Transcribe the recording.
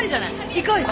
行こうよ！